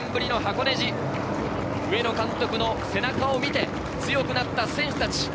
上野監督の背中を見て強くなった選手たち。